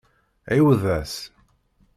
Ɛiwed-as.